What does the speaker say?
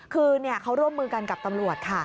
คือเขาร่วมมือกันกับตำรวจค่ะ